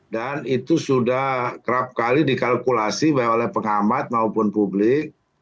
dan itu sudah kerap kali dikalkulasi oleh pengamat maupun publik